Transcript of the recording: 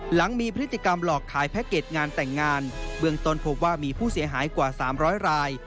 หลังมีพฤติกรรมหลอกขายแพ็กเก็ตงานแต่งงานเบื้องต้นพบว่ามีผู้เสียหายกว่า๓๐๐ราย